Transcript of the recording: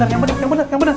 yang bener yang bener